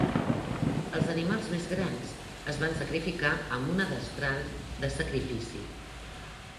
Els animals més grans es van sacrificar amb una destral de sacrifici.